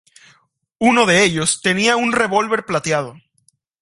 Uno de ellos tenía un revólver plateado.